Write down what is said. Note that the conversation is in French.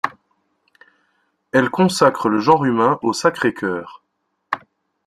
Elle consacre le genre humain au Sacré-Cœur.